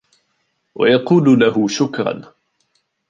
ويقول له شكرا.